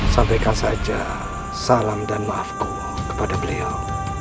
sampaikan saja salam dan maaf kepada beliau